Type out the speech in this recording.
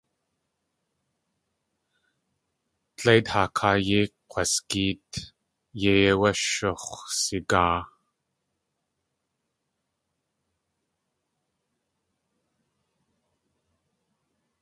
Dleit haa káa yéi kg̲wasgéet, yéi áwé shux̲wsigaa.